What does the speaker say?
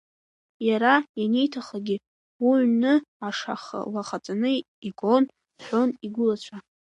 Иара ианиҭаххагьы, уҩны ашаха лахаҵаны игон рҳәон игәылацәа.